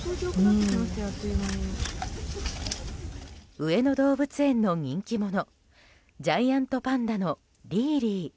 上野動物園の人気者ジャイアントパンダのリーリー。